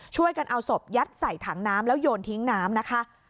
ช่วยกันเอาศพยัดใส่ถังน้ำแล้วโยนทิ้งน้ำนะคะ